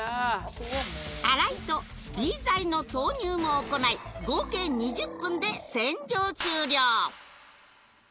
洗いとＢ剤の投入も行い合計２０分で洗浄終了